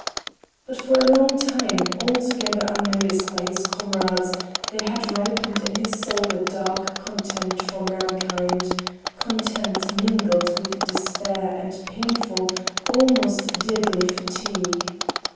But for a long time, altogether unnoticed by his comrades, there had ripened in his soul a dark contempt for mankind; contempt mingled with despair and painful, almost deadly fatigue.